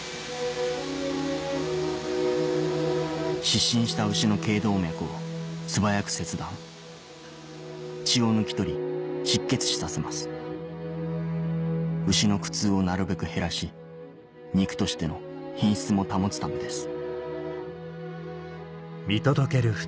失神した牛の頸動脈を素早く切断血を抜き取り失血死させます牛の苦痛をなるべく減らし肉としての品質も保つためです